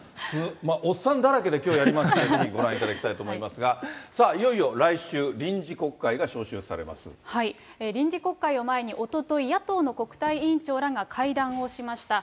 おっさんだらけできょうやりますが、ぜひご覧いただきたいと思いますが、さあ、いよいよ来週、臨時国会を前におととい、野党の国対委員長らが会談をしました。